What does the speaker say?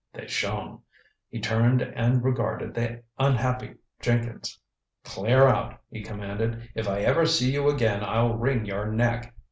They shone. He turned and regarded the unhappy Jenkins. "Clear out," he commanded. "If I ever see you again I'll wring your neck.